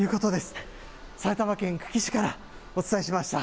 埼玉県久喜市からお伝えしました。